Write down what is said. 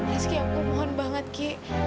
ya ski aku mohon banget ki